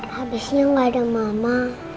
habisnya gak ada mama